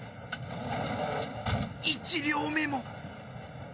１両目も。